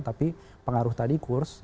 tapi pengaruh tadi kurs